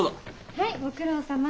はいご苦労さま。